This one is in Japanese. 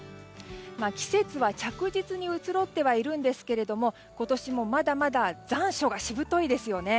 季節は着実に移ろってはいるんですけれども今年もまだまだ残暑がしぶといですよね。